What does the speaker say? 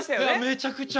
めちゃくちゃ。